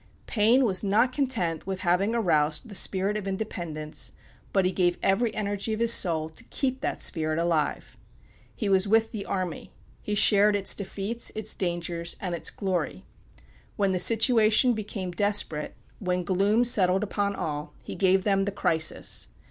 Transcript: Paine was not content with having aroused the spirit of independence, but he gave every energy of his soul to keep that spirit alive. He was with the army. He shared its defeats, its dangers, and its glory. When the situation became desperate, when gloom settled upon all, he gave them the "Crisis."